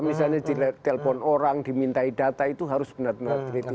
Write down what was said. misalnya di telpon orang dimintai data itu harus benar benar teliti